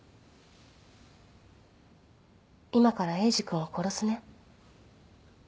今からエイジ君を殺すね。